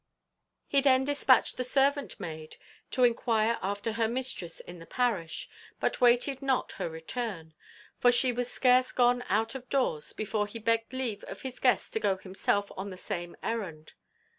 He then despatched the servant maid to enquire after her mistress in the parish, but waited not her return; for she was scarce gone out of doors before he begged leave of his guests to go himself on the same errand.